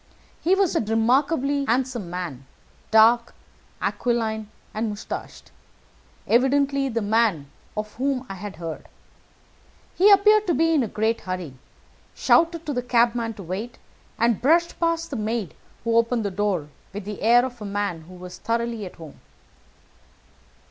He was a remarkably handsome man, dark, aquiline, and moustached evidently the man of whom I had heard. He appeared to be in a great hurry, shouted to the cabman to wait, and brushed past the maid who opened the door, with the air of a man who was thoroughly at home.